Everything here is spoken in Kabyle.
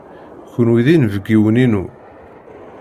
Kenwi d inebgiwen-inu.